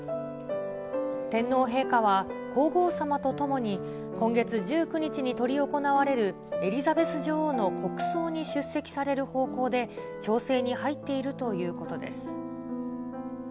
天皇陛下は皇后さまと共に、今月１９日に執り行われるエリザベス女王の国葬に出席される方向で、調整に入っているということです。